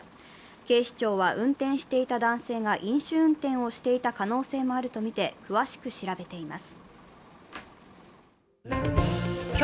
警視庁は、運転していた男性が飲酒運転をしていた可能性もあるとみて詳しく調べています。